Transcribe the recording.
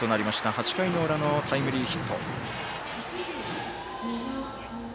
８回の裏のタイムリーヒット。